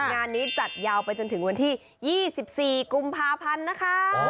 งานนี้จัดยาวไปจนถึงวันที่๒๔กุมภาพันธ์นะคะ